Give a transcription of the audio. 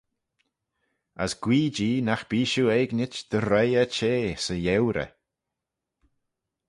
As guee-jee nagh bee shiu eginit dy roie er-chea 'sy gheurey.